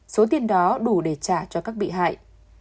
số tiền đó đủ để trả cho các bị hại